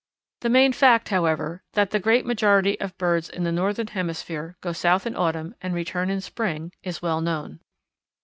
The main fact, however, that the great majority of birds of the Northern Hemisphere go south in autumn and return in spring, is well known.